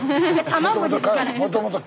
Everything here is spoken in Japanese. ・卵ですから。